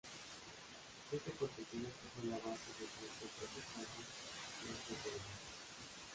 Este acontecimiento fue la base de su cortometraje, Los Desheredados.